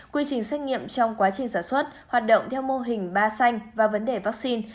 quy trình xét nghiệm trong quá trình sản xuất hoạt động theo mô hình ba xanh và vấn đề vaccine